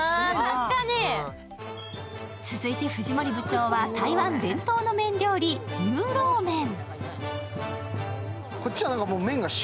続いて藤森部長は台湾伝統の麺料理、ニューローメン。